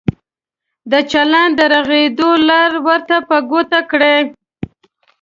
د چلند د رغېدو لار ورته په ګوته کړئ.